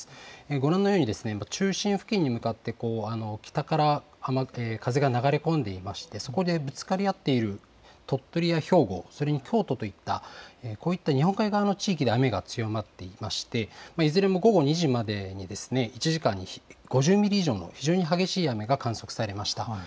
ご覧のように中心付近に向かって、北から風が流れ込んでいまして、そこでぶつかり合っている鳥取や兵庫、それに京都といった、こういった日本海側の地域で雨が強まっていまして、いずれも午後２時までに、１時間に５０ミリ以上の非常に激しい雨が観測されました。